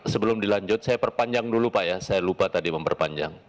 sebelum dilanjut saya perpanjang dulu pak ya saya lupa tadi memperpanjang